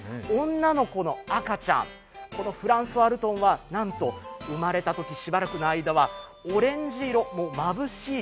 女の子の赤ちゃん、このフランソワルトンはなんと生まれたとき、しばらくの間はオレンジ色、まぶしい